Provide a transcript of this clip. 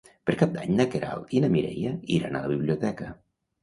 Per Cap d'Any na Queralt i na Mireia iran a la biblioteca.